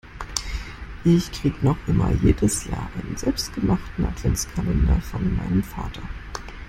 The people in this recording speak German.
Ich krieg noch immer jedes Jahr einen selbstgemachten Adventkalender von meinem Vater.